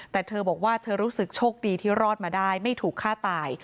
แต่เธอบอกว่าเธอรู้สึกโชคดีที่รอดมาได้ไม่ถูกฆ่าตาย